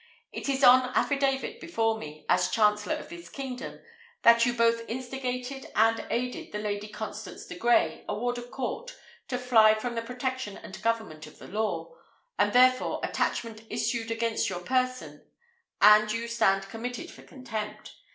It is on affidavit before me, as chancellor of this kingdom, that you both instigated and aided the Lady Constance de Grey, a ward of court, to fly from the protection and government of the law; and, therefore, attachment issued against your person, and you stand committed for contempt.